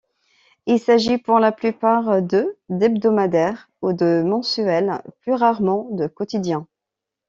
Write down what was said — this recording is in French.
Il s’agit pour la plupart de d’hebdomadaires ou de mensuels, plus rarement de quotidiens.